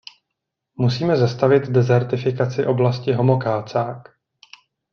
Musíme zastavit desertifikaci oblasti Homokhátság!